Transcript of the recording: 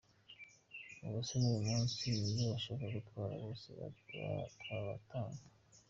Uwaza n’uyu munsi n’iyo yashaka gutwara bose twabatanga.